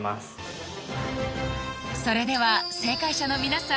それでは正解者の皆さん